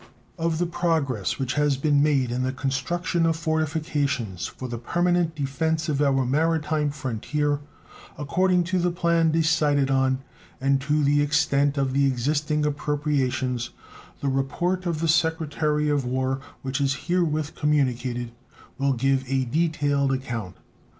Of the progress which has been made in the construction of fortifications for the permanent defense of our maritime frontier, according to the plan decided on and to the extent of the existing appropriations, the report of the Secretary of War, which is herewith communicated, will give a detailed account.